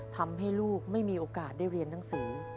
ทำให้ลูกไม่มีโอกาสได้เรียนหนังสือ